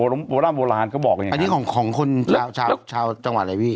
โบราณโบราณก็บอกอย่างเงี้ยอันนี้ของคนชาวชาวชาวจังหวัดอะไรพี่